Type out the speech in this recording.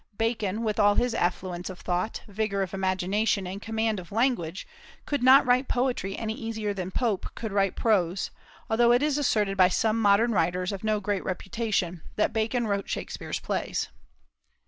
Bacon, with all his affluence of thought, vigor of imagination, and command of language, could not write poetry any easier than Pope could write prose, although it is asserted by some modern writers, of no great reputation, that Bacon wrote Shakspeare's plays.